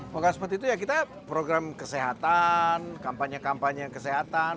program seperti itu ya kita program kesehatan kampanye kampanye kesehatan